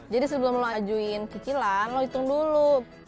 jadi sebelum lo ajuin cicilan lo hitung dulu